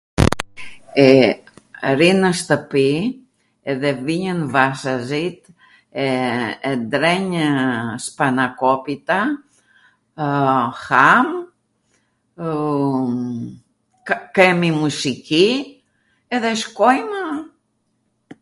Ε, ri nw shtwpi edhe vinjwn vashazit, e drenjw spanakopita, ham, kemi musiqi, edhe shkojmw...